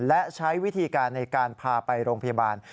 และใช้วิธีการในการพาไปโรงพยาบาล